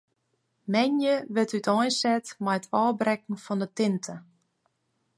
Moandei wurdt úteinset mei it ôfbrekken fan de tinte.